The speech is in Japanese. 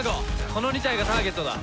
この２体がターゲットだ。